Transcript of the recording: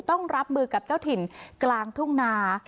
ต้องรับมือกับเจ้าถิ่นกลางทุ่งนา